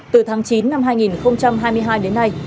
từ tháng chín năm hai nghìn hai mươi hai đến nay